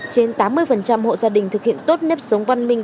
trên tám mươi hộ gia đình thực hiện tốt nếp sống văn minh